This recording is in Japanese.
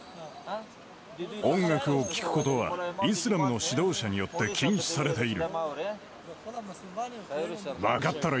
音楽を聴くことは、イスラムの指導者によって禁止されている。